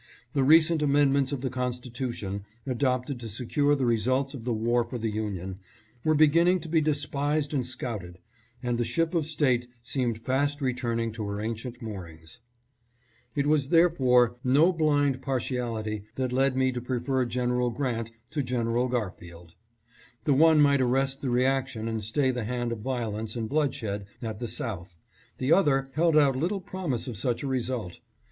The recent amendments of the Constitution, adopted to secure the results of the war for the Union, were begin ning to be despised and scouted, and the ship of state seemed fast returning to her ancient moorings. It was therefore no blind partiality that led me to prefer Gen ENCOUNTER OF GARFIELD WITH TUCKER. 635 eral Grant to General Garfield. The one might arrest the reaction and stay the hand of violence and blood shed at the South ; the other held out little promise of such a result.